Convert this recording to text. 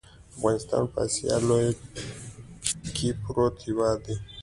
افغانستان په اسیا لویه کې یو پروت هیواد دی .